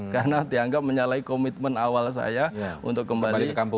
karena dianggap menyalahi komitmen awal saya untuk kembali ke kampus